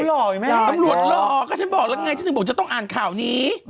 เขาหล่อไหมแม่น้ำรวจหล่อก็ฉันบอกแล้วไงฉันถึงบอกจะต้องอ่านข่าวนี้